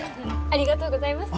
ありがとうございます。